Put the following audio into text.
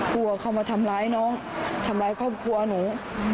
กลัวเข้ามาทำร้ายน้องทำร้ายครอบครัวหนู